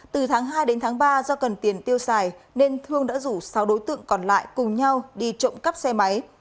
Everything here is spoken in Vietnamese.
từ tháng hai đến tháng ba do cần tiền tiêu xài nên thương đã rủ sáu đối tượng còn lại cùng nhau đi trộm cắp xe máy